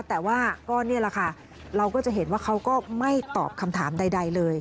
แต่ว่าเราก็จะเห็นว่าเขาก็ไม่ตอบคำถามใดเลย